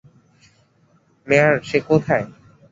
মেয়ার, সে কোথায়?